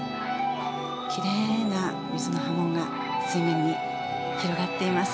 きれいな水の波紋が水面に広がっています。